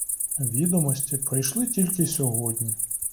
Відомості прийшли тільки сьогодні.